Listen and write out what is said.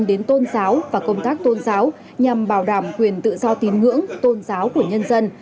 đến tôn giáo và công tác tôn giáo nhằm bảo đảm quyền tự do tín ngưỡng tôn giáo của nhân dân